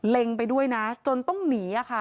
เลงไปด้วยนะจนต้องหนีอะค่ะ